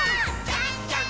じゃんじゃん！